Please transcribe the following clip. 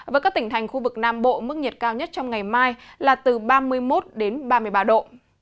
với các tỉnh thành khu vực nam bộ mức nhiệt cao nhất trong ngày mai là từ ba mươi một đến ba mươi ba độ